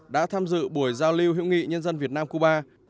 đã tham dự buổi giao lưu hữu nghị nhân dân việt nam cuba